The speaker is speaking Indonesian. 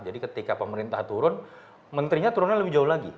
jadi ketika pemerintah turun menterinya turunnya lebih jauh lagi